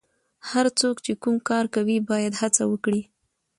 هر څوک چې کوم کار کوي باید هڅه وکړي.